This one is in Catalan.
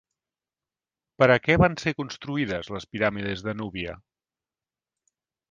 Per a què van ser construïdes les piràmides de Núbia?